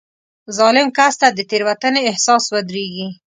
ظالم کس ته د تېروتنې احساس ودرېږي.